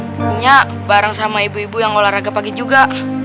tapi punya barang sama ibu ibu yang olahraga pagi juga